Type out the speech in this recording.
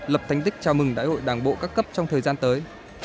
lập thành tích chào mừng đại hội đảng bộ các cấp trong thời gian tới